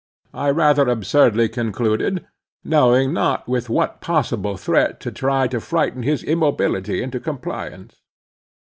I rather absurdly concluded, knowing not with what possible threat to try to frighten his immobility into compliance.